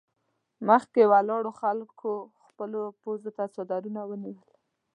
مخکې ولاړو خلکو خپلو پزو ته څادرونه ونيول.